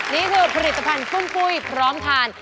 นี่คือผลิตภัณฑ์กุ้งปุ้ยพร้อมทาน